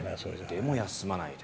でも、休まない。